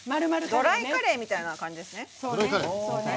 ドライカレーみたいな感じですね。